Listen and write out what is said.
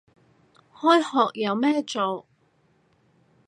開學有咩做